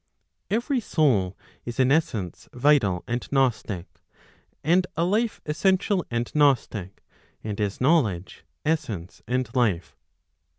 Every soul is an essence vital and gnostic, and a life essential and gnostic, and is knowledge, essence, and life.